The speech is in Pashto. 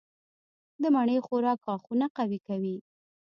د مڼې خوراک غاښونه قوي کوي.